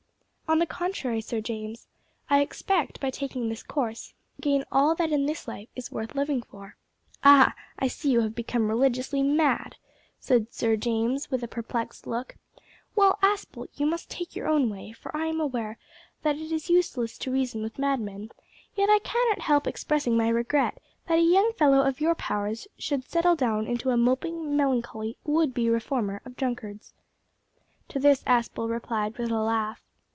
"On the contrary, Sir James, I expect, by taking this course, to gain all that in this life is worth living for." "Ah! I see, you have become religiously mad," said Sir James, with a perplexed look; "well, Aspel, you must take your own way, for I am aware that it is useless to reason with madmen; yet I cannot help expressing my regret that a young fellow of your powers should settle down into a moping, melancholy, would be reformer of drunkards." To this Aspel replied with a laugh.